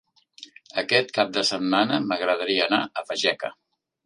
Aquest cap de setmana m'agradaria anar a Fageca.